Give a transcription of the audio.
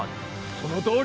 そのとおり！